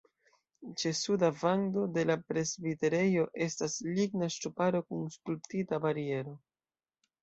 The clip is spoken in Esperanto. Ĉe suda vando de la presbiterejo estas ligna ŝtuparo kun skulptita bariero.